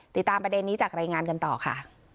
ติดตามประเด็นนี้จากรายงานกันต่อค่ะ